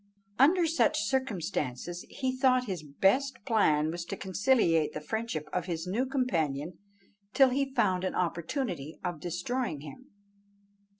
Under such circumstances he thought his best plan was to conciliate the friendship of his new companion till he found an opportunity of destroying him.